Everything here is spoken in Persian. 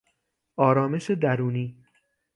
آرامش درونی